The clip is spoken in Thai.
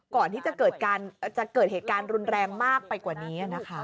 ก่อนที่จะเกิดเหตุการณ์รุนแรงมากไปกว่านี้นะคะ